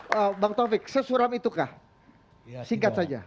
oke bang taufik sesuram itukah singkat saja